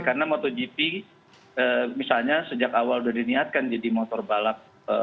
karena motogp misalnya sejak awal sudah diniatkan jadi motor balap